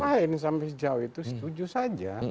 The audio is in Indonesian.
lain sampai sejauh itu setuju saja